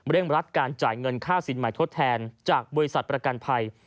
รัฐการจ่ายเงินค่าสินใหม่ทดแทนจากบริษัทประกันภัย